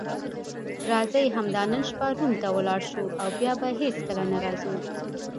راځئ همدا نن شپه روم ته ولاړ شو او بیا به هیڅکله نه راځو.